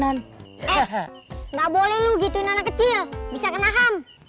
eh enggak boleh lu gituin anak kecil bisa kena ham